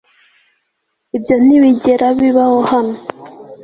ibyo ntibigera bibaho hano